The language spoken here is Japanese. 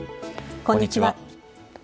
こんにちは。